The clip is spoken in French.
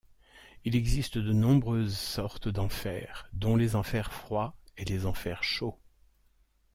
Il existe de nombreuses sortes d'enfers, dont les enfers froids et les enfers chauds.